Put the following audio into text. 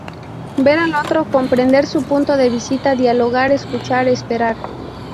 Ver al otro, comprender su punto de vista, dialogar, escuchar, esperar.